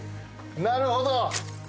なるほど。